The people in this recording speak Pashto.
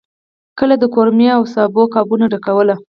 کله د قورمې او سابو قابونه ډکول.